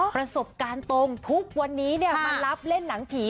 ประสบการณ์ตรงทุกวันนี้มารับเล่นหนังผี